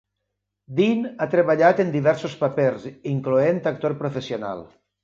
Dean ha treballat en diversos papers, incloent actor professional.